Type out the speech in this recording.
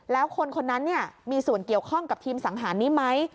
แล้วคนคนนั้นมีส่วนเกี่ยวข้องกับทีมสังหารนี้ไหม